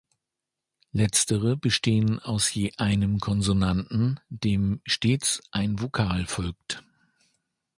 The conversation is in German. Letztere bestehen je aus einem Konsonanten, dem stets ein Vokal folgt.